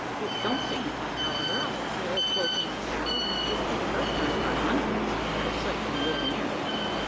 It don't signify, however. I have my old cloak and my saddle; and it wouldn't be the first time, by hundreds, I've slept in the open air."